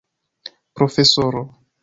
profesoro